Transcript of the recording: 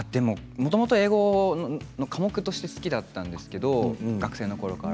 もともと英語は科目として好きだったんですけれども学生のころから。